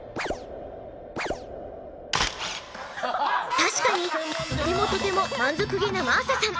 確かにとてもとても満足げな真麻さん。